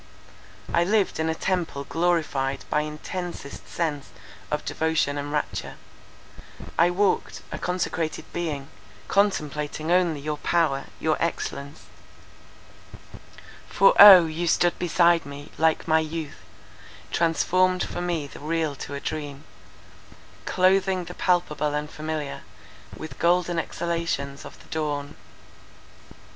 I lived in a temple glorified by intensest sense of devotion and rapture; I walked, a consecrated being, contemplating only your power, your excellence; For O, you stood beside me, like my youth, Transformed for me the real to a dream, Cloathing the palpable and familiar With golden exhalations of the dawn.